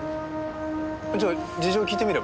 じゃあ事情聞いてみれば？